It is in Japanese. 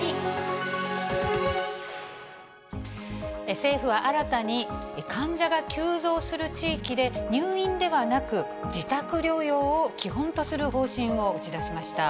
政府は新たに患者が急増する地域で、入院ではなく、自宅療養を基本とする方針を打ち出しました。